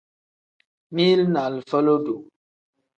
Mili ni alifa lodo.